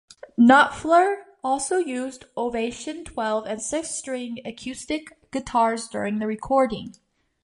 Knopfler also used Ovation twelve- and six-string acoustic guitars during the recording.